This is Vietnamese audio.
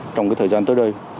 trong cái thời gian tới đây